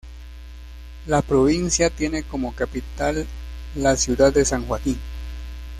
La provincia tiene como capital la ciudad de San Joaquín.